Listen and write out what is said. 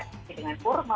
jadi dengan purba